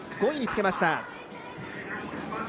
１回目、５位につけました。